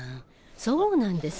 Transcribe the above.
そうなんです。